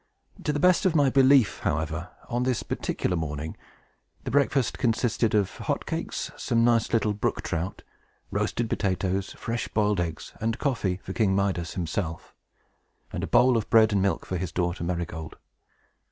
To the best of my belief, however, on this particular morning, the breakfast consisted of hot cakes, some nice little brook trout, roasted potatoes, fresh boiled eggs, and coffee, for King Midas himself, and a bowl of bread and milk for his daughter Marygold.